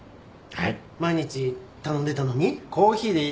はい。